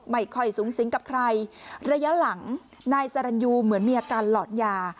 ไม่ค่อยสูงสิงกับใครระยะหลังนายสรรยูเหมือนมีอาการหลอนยา